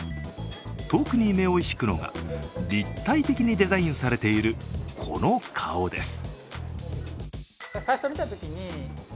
特に目を引くのが、立体的にデザインされているこの顔です。